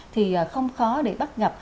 thì không khó để bắt gặp